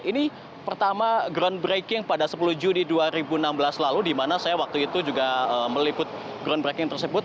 ini pertama groundbreaking pada sepuluh juni dua ribu enam belas lalu di mana saya waktu itu juga meliput groundbreaking tersebut